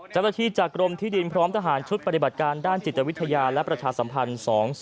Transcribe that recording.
จากกรมที่ดินพร้อมทหารชุดปฏิบัติการด้านจิตวิทยาและประชาสัมพันธ์๒๐